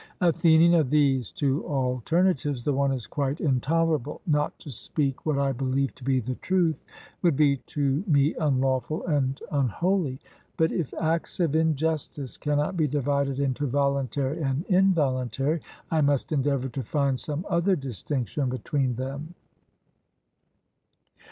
ATHENIAN: Of these two alternatives, the one is quite intolerable not to speak what I believe to be the truth would be to me unlawful and unholy. But if acts of injustice cannot be divided into voluntary and involuntary, I must endeavour to find some other distinction between them.